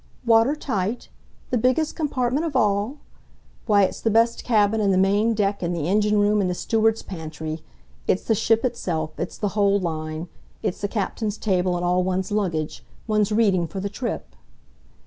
"Water tight the biggest compartment of all? Why, it's the best cabin and the main deck and the engine room and the steward's pantry! It's the ship itself it's the whole line. It's the captain's table and all one's luggage one's reading for the trip."